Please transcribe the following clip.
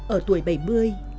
ở tuổi bảy mươi